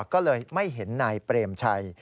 ก็เลยไม่เห็นนายเปรมชัย